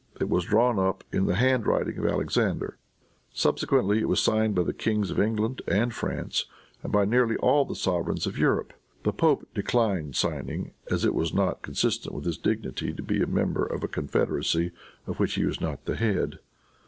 It was drawn up in the hand writing of Alexander. Subsequently it was signed by the Kings of England and France, and by nearly all the sovereigns of Europe. The pope declined signing, as it was not consistent with his dignity to be a member of a confederacy of which he was not the head.